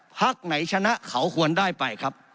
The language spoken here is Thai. พักไหนชนะเขาควรได้ไปครับ